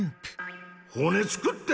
骨つくって。